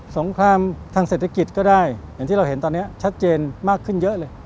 งครามทางเศรษฐกิจก็ได้อย่างที่เราเห็นตอนนี้ชัดเจนมากขึ้นเยอะเลย